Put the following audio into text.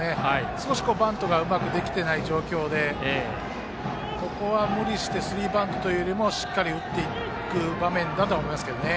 少しバントがうまくできていない状況でここは無理してスリーバントよりもしっかり打っていく場面だと思いますけどね。